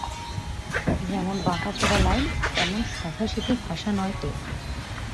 যেমন বাঁকাচোরা লাইন, তেমন সাদাসিধা ভাষা নয় তো।